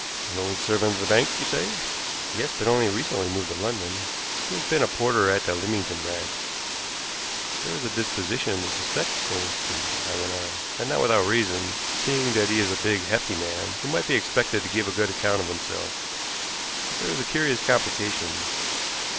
"An old servant of the bank, you say?" "Yes, but only recently moved to London. He has been porter at the Leamington branch. There is a disposition to suspect Coulsdon," I went on; "and not without reason, seeing that he is a big, hefty man, who might be expected to give a good account of himself. But there is a curious complication.